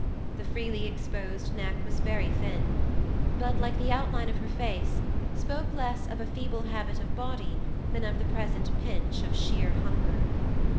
The freely exposed neck was very thin, but, like the outline of her face, spoke less of a feeble habit of body than of the present pinch of sheer hunger.